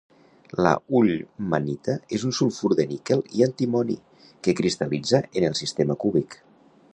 La ullmannita és un sulfur de níquel i antimoni, que cristal·litza en el sistema cúbic.